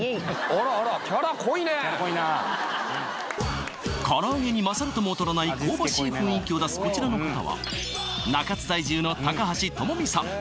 あらあらからあげに勝るとも劣らない香ばしい雰囲気を出すこちらの方は中津在住の高橋ともみさん